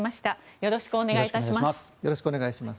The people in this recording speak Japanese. よろしくお願いします。